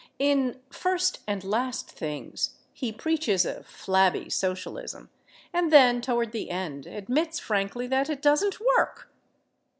In "First and Last Things" he preaches a flabby Socialism, and then, toward the end, admits frankly that it doesn't work.